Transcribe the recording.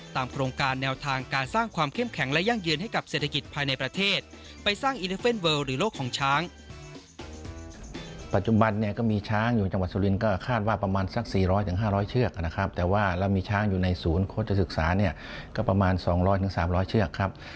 ตามโครงการแนวทางการสร้างความเข้มแข็งและยั่งเยือนให้กับเศรษฐกิจภายในประเทศ